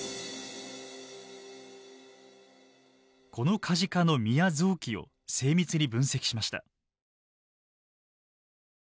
このカジカの身や臓器を精密に分析しました。